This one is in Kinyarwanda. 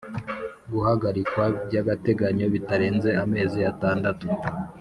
Guhagarikwa by’agateganyo bitarenza amezi atandatu